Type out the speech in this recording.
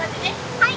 はい。